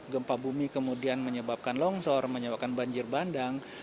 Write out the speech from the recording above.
gempa bumi kemudian menyebabkan longsor menyebabkan banjir bandang